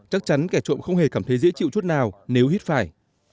chắc chắn kẻ trộm không hề cảm thấy dễ chịu chút nào nếu hít phải